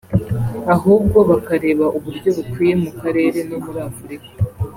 ahubwo bakareba uburyo bukwiye mu karere no muri Afurika